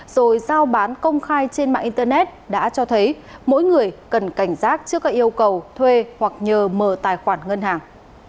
rồi giao bán công khai trên mạng internet đã cho thấy mỗi người cần cảnh giác trước các yêu cầu thuê hoặc nhờ mở tài khoản ngân hàng